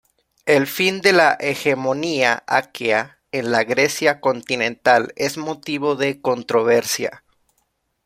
El fin de la hegemonía aquea en la Grecia continental es motivo de controversia.